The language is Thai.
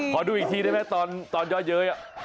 ขอดูอีกทีได้ไหมตอนย่อเย้ย